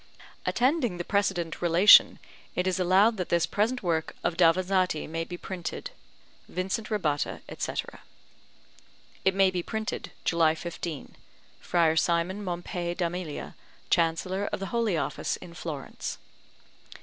Attending the precedent relation, it is allowed that this present work of Davanzati may be printed. VINCENT RABBATTA, etc. It may be printed, July 15. FRIAR SIMON MOMPEI D'AMELIA, Chancellor of the Holy Office in Florence.